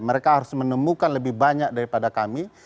mereka harus menemukan lebih banyak daripada kami